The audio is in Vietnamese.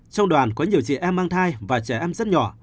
trong đoàn có nhiều chị em mang thai và trẻ em rất nhỏ